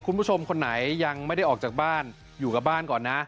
คุณผู้ชมคนไหนยังไม่ได้ออกจากบ้านอยู่กับบ้านก่อนนะ